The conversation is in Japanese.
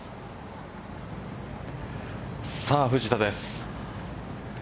さあ、藤田です。